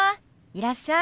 いらっしゃい。